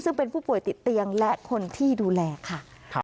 ซึ่งเป็นผู้ป่วยติดเตียงและคนที่ดูแลค่ะ